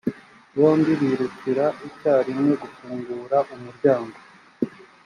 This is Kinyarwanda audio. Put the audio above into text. bombi birukira icyarimwe gufungura umuryango